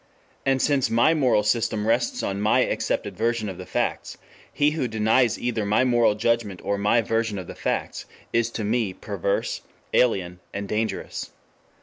5 And since my moral system rests on my accepted version of the facts, he who denies either my moral judgments or my version of the facts, is to me perverse, alien, dangerous.